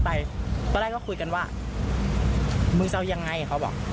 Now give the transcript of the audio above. แล้วก็แยกย้ายกันไปเธอก็เลยมาแจ้งความ